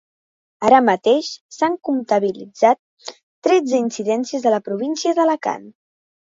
Així mateix, s’han comptabilitzat tretze incidències a la província d’Alacant.